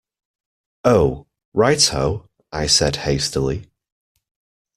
"Oh, right ho," I said hastily.